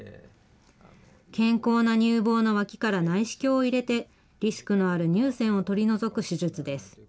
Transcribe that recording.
健康な乳房の脇から内視鏡を入れて、リスクのある乳腺を取り除く手術です。